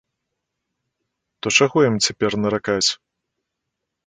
То чаго ім цяпер наракаць?